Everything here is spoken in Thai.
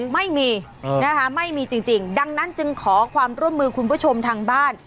ไม่มีนะคะไม่มีจริงดังนั้นจึงขอความร่วมมือคุณผู้ชมทางบ้าน